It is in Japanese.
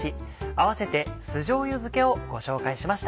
併せて酢じょうゆ漬けをご紹介しました。